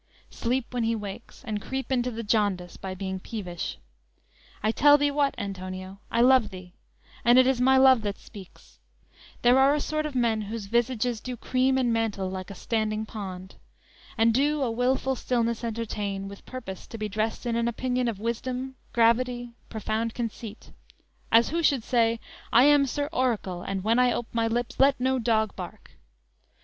Sleep when he wakes? and creep into the jaundice, By being peevish? I tell thee what, Antonio, I love thee, and it is my love that speaks; There are a sort of men, whose visages Do cream and mantle, like a standing pond; And do a wilful stillness entertain, With purpose to be dressed in an opinion Of wisdom, gravity, profound conceit; As who should say, I am Sir Oracle, And, when I ope my lips, let no dog bark!